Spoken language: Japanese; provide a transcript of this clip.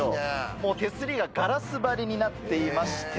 もう手すりがガラス張りになっていまして。